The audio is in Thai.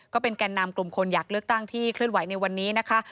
แก่นนำกลุ่มคนอยากเลือกตั้งที่เคลื่อนไหวในวันนี้นะคะ